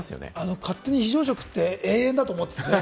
勝手に非常食って、永遠だと思ってた。